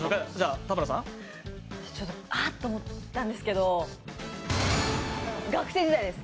あっ、と思ったんですけど学生時代です。